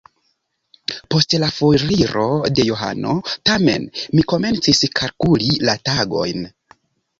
Post la foriro de Johano tamen mi komencis kalkuli la tagojn.